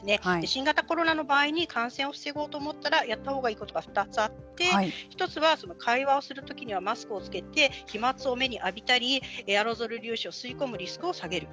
新型コロナの場合に感染を防ごうと思ったらやったほうがいいことは２つあって１つは会話をするときにはマスクをつけて飛まつを目に浴びたりエアロゾル粒子を吸い込むリスクを下げる。